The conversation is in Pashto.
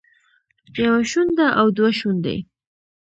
يوه شونډه او دوه شونډې